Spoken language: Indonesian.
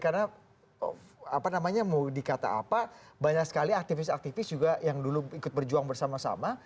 karena apa namanya mau dikata apa banyak sekali aktivis aktivis juga yang dulu ikut berjuang bersama sama